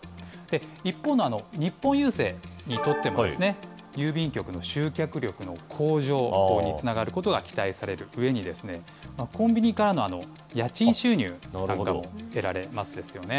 一方の日本郵政にとっても、郵便局の集客力の向上につながることが期待されるうえに、コンビニからの家賃収入なんかも得られますですよね。